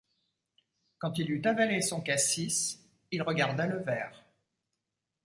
Quand il eut avalé son cassis, il regarda le verre.